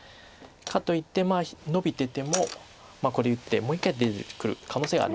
かといってノビててもこれ打ってもう一回出てくる可能性があります。